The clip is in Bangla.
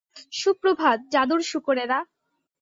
সুপ্রভাত, জাদুর শুকরেরা!